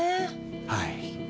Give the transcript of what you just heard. はい。